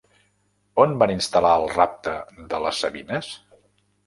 On van instal·lar El rapte de les Sabines?